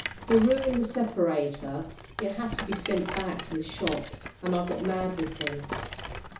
He ruined the separator, it had to be sent back to the shop, an' I got mad with him.